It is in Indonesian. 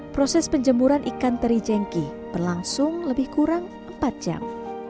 proses penjemuran ikan teri jengki berlangsung lebih kurang empat jam